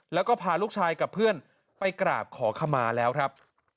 แล้วก็พาลูกชายกับเพื่อนไปกราบขอขมาแล้วครับ